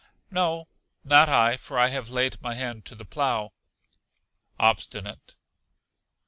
No, not I, for I have laid my hand to the plough. Obstinate.